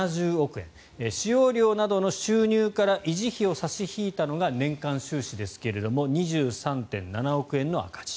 使用料などの収入から維持費を差し引いたのが年間収支ですが２３．７億円の赤字。